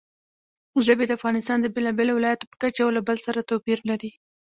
ژبې د افغانستان د بېلابېلو ولایاتو په کچه یو له بل سره توپیر لري.